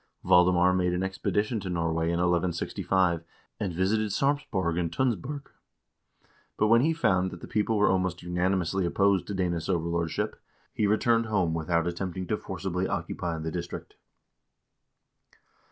Valdemar made an expedition to Norway in 1165, and visited Sarpsborg and Tunsberg, but when he found that the people were almost unanimously opposed to Danish overlordship, he returned home without attempting to forcibly occupy the district.